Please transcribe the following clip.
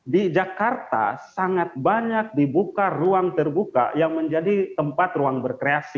di jakarta sangat banyak dibuka ruang terbuka yang menjadi tempat ruang berkreasi